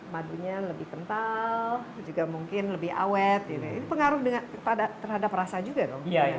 madunya lebih kental juga mungkin lebih awet ini pengaruh terhadap rasa juga dong